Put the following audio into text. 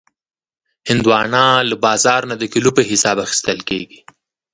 هندوانه له بازار نه د کیلو په حساب اخیستل کېږي.